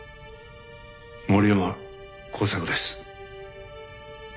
森山耕作です。